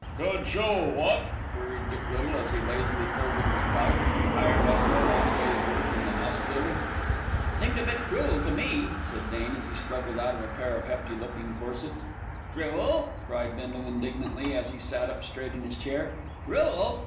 "Good show, what?" queried Dick Little as he lazily pulled at his pipe, tired after a long day's work in the hospital. "Seemed a bit cruel to me," said Dane as he struggled out of a pair of hefty looking corsets. "Cruel!" cried Bindle indignantly, as he sat up straight in his chair. "Cruel!